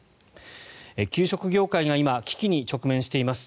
給食業界が今、危機に直面しています。